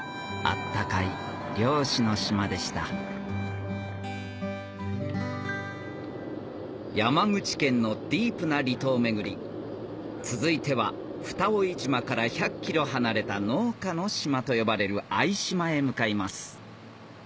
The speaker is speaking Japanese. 温かい漁師の島でした山口県のディープな離島めぐり続いては蓋井島から１００ｋｍ離れた農家の島と呼ばれる相島へ向かいます